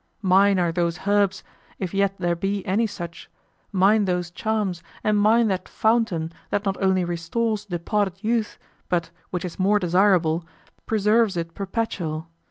Mine are those herbs, if yet there be any such, mine those charms, and mine that fountain that not only restores departed youth but, which is more desirable, preserves it perpetual.